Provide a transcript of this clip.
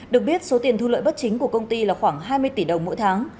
được biết số tiền thu lợi bất chính của công ty là khoảng hai mươi tỷ đồng mỗi tháng